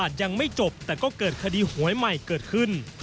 ก็คงเป็นอีก๒๓วัน